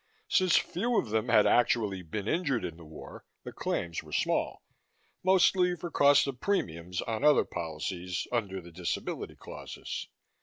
Since few of them had actually been injured in the war, the claims were small mostly for cost of premiums on other policies, under the disability clauses.